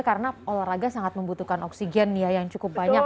karena olahraga sangat membutuhkan oksigen ya yang cukup banyak